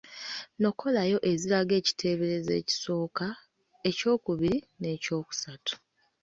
Nokolayo eziraga ekiteeberezo ekisooka, ekyokubiri n’ekyokusatu.